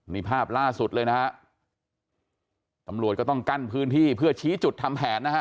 นี่ภาพล่าสุดเลยนะฮะตำรวจก็ต้องกั้นพื้นที่เพื่อชี้จุดทำแผนนะฮะ